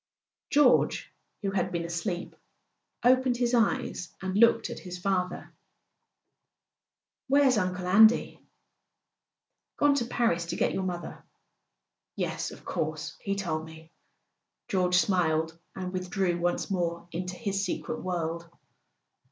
George, who had been asleep, opened his eyes and looked at his father. [ 294 ] A SON AT THE FRONT "Where's Uncle Andy?" "Gone to Paris to get your mother." "Yes. Of course. He told me " George smiled, and withdrew once more into his secret world.